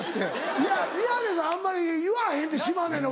いや宮根さんあんまり言わへんて島根の話題。